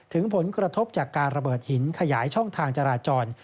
ถึงผลกระทบจากการระเบิดหินขยายช่องทางจราจร